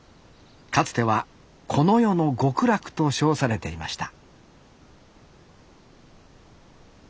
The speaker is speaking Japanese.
かつてはこの世の極楽と称されていました